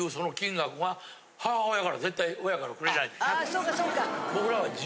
あそうかそうか。